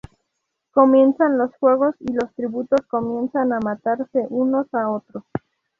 Comienzan los juegos, y los tributos comienzan a matarse unos a otros.